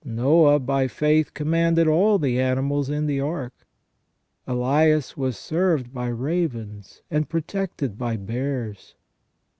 Noah by faith commanded all the animals in the ark. Elias was served by ravens and protected by bears.